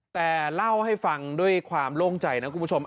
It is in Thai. แต่เล่าให้ฟังด้วยความโล่งใจนะคุณผู้ชม